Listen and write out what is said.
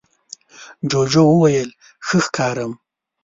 جوجو وویل ښه ښکارم؟